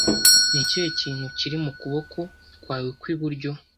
Ni ikihe kintu kiri mu kuboko kwawe kw'iburyo?